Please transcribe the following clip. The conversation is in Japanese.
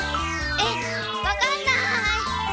えっわかんない。